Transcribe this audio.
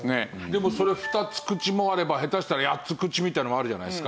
でもそれ２つ口もあれば下手したら８つ口みたいなのもあるじゃないですか。